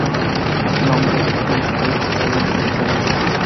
Los nombres históricos podrían ser diferentes.